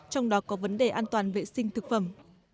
trong đó có vấn đề an toàn vệ sinh thực phẩm